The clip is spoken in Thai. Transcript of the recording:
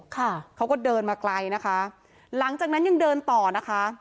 ค่ะเขาก็เดินมาไกลนะคะหลังจากนั้นยังเดินต่อนะคะ